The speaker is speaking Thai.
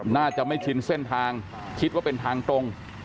น่าจะไม่ชินเส้นทางคิดว่าเป็นทางตรง